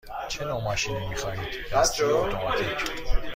چه نوع ماشینی می خواهید – دستی یا اتوماتیک؟